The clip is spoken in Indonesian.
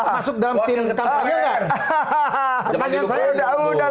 masuk dalam tim kampanye